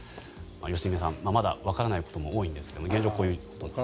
良純さん、まだわからないことも多いんですが現状、こういうことです。